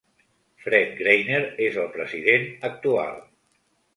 Fred Greiner és el president actual.